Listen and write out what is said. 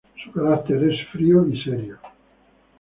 Su carácter es frío y serio.